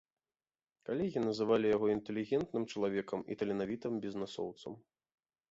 Калегі называлі яго інтэлігентным чалавекам і таленавітым бізнэсоўцам.